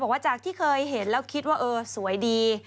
บอกว่าจากที่เคยเห็นแล้วคิดว่าเออสวยดี